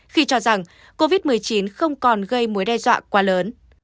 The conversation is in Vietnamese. khi cho rằng covid một mươi chín không còn gây mối đe dọa quá lớn